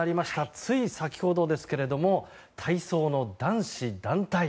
つい先ほどですけれども体操の男子団体